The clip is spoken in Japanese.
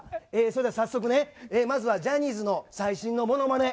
それでは早速まずはジャニーズの最新のモノマネ。